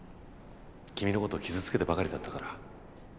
君のこと傷つけてばかりだったから。